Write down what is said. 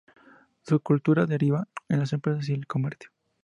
Su cultura deriva en las empresas y el comercio